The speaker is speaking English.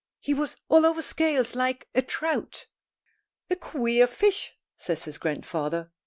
He was all over scales, like a trout." "A queer fish," says his grandfather.